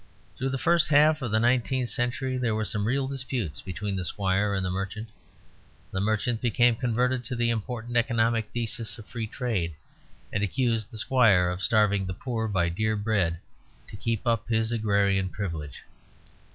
Through the first half of the nineteenth century there were some real disputes between the squire and the merchant. The merchant became converted to the important economic thesis of Free Trade, and accused the squire of starving the poor by dear bread to keep up his agrarian privilege.